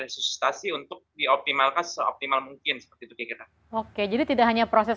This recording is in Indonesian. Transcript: susitasi untuk dioptimalkan seoptimal mungkin seperti itu kayak kita oke jadi tidak hanya proses